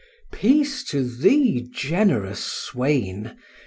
— Peace to thee, generous swain!